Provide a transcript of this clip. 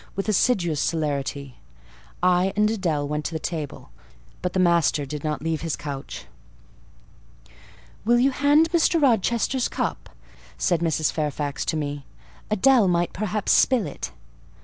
with assiduous celerity. I and Adèle went to the table; but the master did not leave his couch. "Will you hand Mr. Rochester's cup?" said Mrs. Fairfax to me; "Adèle might perhaps spill it."